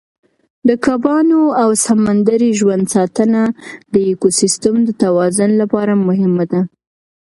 د کبانو او سمندري ژوند ساتنه د ایکوسیستم د توازن لپاره مهمه ده.